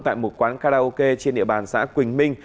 tại một quán karaoke trên địa bàn xã quỳnh minh